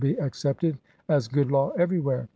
will be accepted as good law everywhere.